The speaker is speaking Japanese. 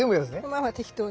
まあまあ適当に。